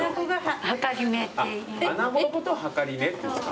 穴子のことをはかりめっていうんですか。